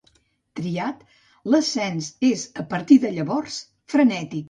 Triat, l'ascens és a partir de llavors frenètic.